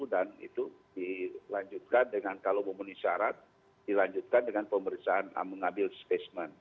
dan itu dilanjutkan dengan kalau memenuhi syarat dilanjutkan dengan pemeriksaan mengambil spesmen